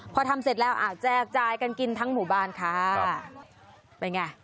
พอทำเสร็จแล้วอ่ะแจกจ่ายกันกินทั้งหมู่บ้านค่ะเป็นไง